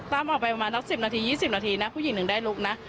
ตั้มออกไปประมาณ๑๐๒๐นาทีผู้หญิงหนึ่งได้ลุกนะ